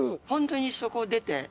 本当にそこを出て。